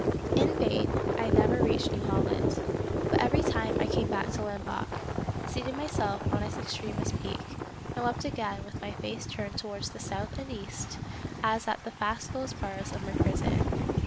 In vain, — I never reached New Holland, but every time I came back to Lamboc, seated myself on its extremest peak, and wept again with my face turned towards the south and east, as at the fast closed bars of my prison.